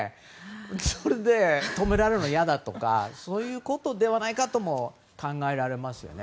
それで止められるのが嫌だとかそういうことではないかとも考えられますよね。